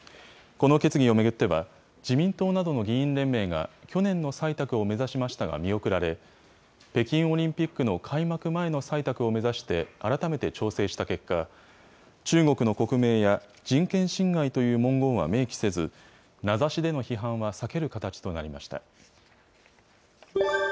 この決議を巡っては、自民党などの議員連盟が、去年の採択を目指しましたが、見送られ、北京オリンピックの開幕前の採択を目指して、改めて調整した結果、中国の国名や人権侵害という文言は明記せず、名指しでの批判は避ける形となりました。